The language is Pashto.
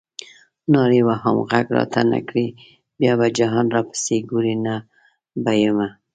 نارې وهم غږ راته نه کړې بیا به جهان راپسې ګورې نه به یمه.